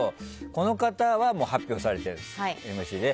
この方は発表されているんですＭＣで。